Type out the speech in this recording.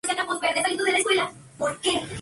Actualmente es articulista del Periódico La Jornada.